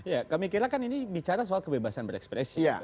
ya kami kira kan ini bicara soal kebebasan berekspresi